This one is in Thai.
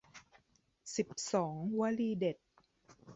สิบสอง วลีเด็ด